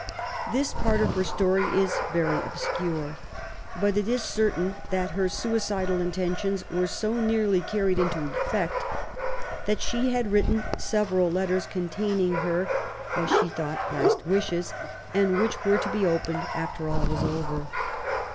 This part of her story is very obscure. But it is certain that her sui cidal intentions were so nearly carried into effect that she had written several letters containing her, as she thought, last wishes, and which were to be opened after all was over.